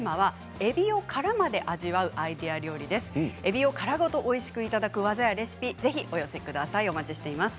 えびを殻ごとおいしくいただく技やレシピ、ぜひお寄せください。